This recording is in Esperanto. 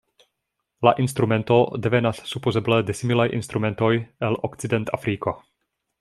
La instrumento devenas supozeble de similaj instrumentoj el Okcidentafriko.